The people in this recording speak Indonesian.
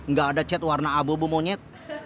gak ada cat warna abu abu monyet